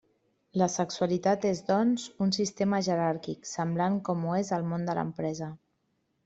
La sexualitat és, doncs, un sistema jeràrquic, semblant com ho és el món de l'empresa.